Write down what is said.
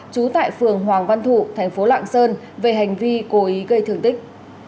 chú tại phường hoàng văn thụ thành phố lạng sơn về hành vi cố ý gây thường tích